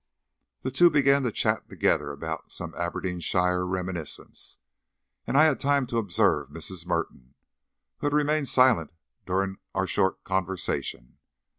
The two began to chat together about some Aberdeenshire reminiscence, and I had time to observe Mrs. Merton, who had remained silent during our short conversation.